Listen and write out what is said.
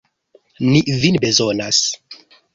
Ni vin bezonas!